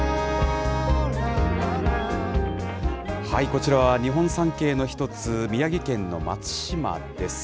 こちらは、日本三景の一つ、宮城県の松島です。